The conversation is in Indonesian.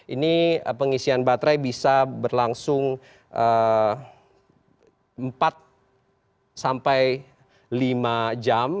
ini pengisian baterai bisa berlangsung empat sampai lima jam